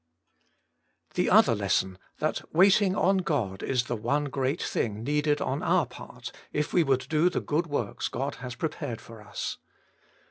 The other lesson — that waiting on God is the one great thing needed on our part if we would do the good works God has pre pared for us.